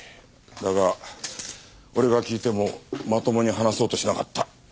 だが俺が聞いてもまともに話そうとしなかった。